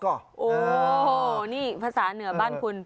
โอ้โหนี่ภาษาเหนือบ้านคุณ